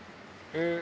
えっ？